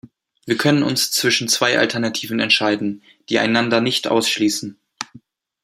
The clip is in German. Wir können uns zwischen zwei Alternativen entscheiden, die einander nicht ausschließen.